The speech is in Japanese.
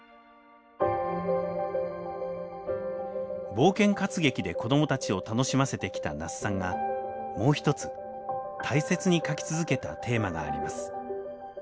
冒険活劇で子どもたちを楽しませてきた那須さんがもう一つ大切に書き続けたテーマがあります。